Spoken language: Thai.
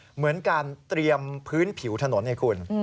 เหมือนการเตรียมพื้นผิวถนนไงคุณ